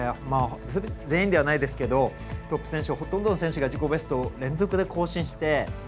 全員ではないですけどトップ選手ほとんどの選手が自己ベストを更新して。